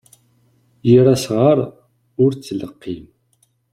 Yir asɣar, ur ttleqqim.